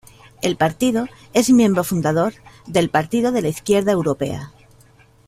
El partido es miembro fundador del Partido de la Izquierda Europea.